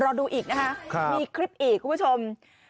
รอดูอีกนะคะมีคลิปอีกคุณผู้ชม